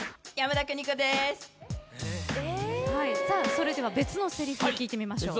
それでは別のせりふを聴いてみましょう。